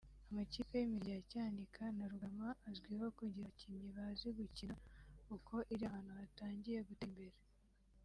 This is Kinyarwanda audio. Amakipe y’imirenge ya Cyanika na Rugarama azwiho kugira abakinnyi bazi gukina kuko iri ahantu hatangiye gutera imbere